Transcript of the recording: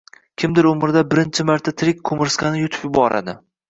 kimdir umrida birinchi marta tirik qumirsqani yutib yuboradi